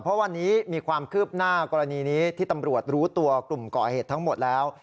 เพราะวันนี้มีความคืบหน้ากรณีนี้ที่ตำรวจรู้ตัวกลุ่มก่อเหตุทั้งหมดแล้ว